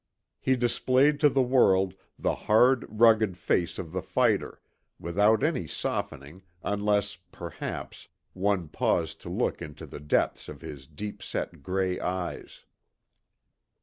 He displayed to the world the hard, rugged face of the fighter, without any softening, unless, perhaps, one paused to look into the depths of his deep set gray eyes.